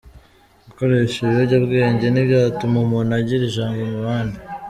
Gukoresha ibiyobyabwenge ntibyatuma umuntu agira ijambo mu bandi